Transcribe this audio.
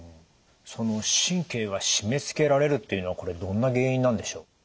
その神経が締めつけられるっていうのはこれどんな原因なんでしょう？